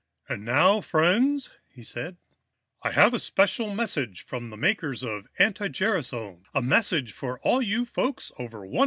"And now, friends," he said, "I have a special message from the makers of anti gerasone, a message for all you folks over 150.